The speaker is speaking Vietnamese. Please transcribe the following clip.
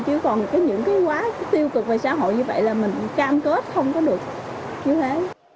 chứ còn những cái quá tiêu cực về xã hội như vậy là mình cam kết không có được như thế